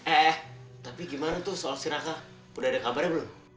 eh tapi gimana tuh soal si naka udah ada kabarnya belum